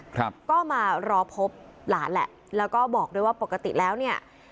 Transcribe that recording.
ครับก็มารอพบหลานแหละแล้วก็บอกด้วยว่าปกติแล้วเนี่ย